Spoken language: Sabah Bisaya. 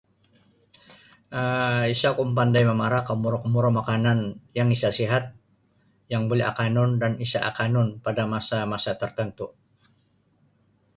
um Isa ku pandai mamara komburo-kombura makanan yang isa sihat yang buli akanun dan isa akanun pada masa-masa tertentu.